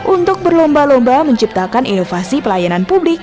untuk berlomba lomba menciptakan inovasi pelayanan publik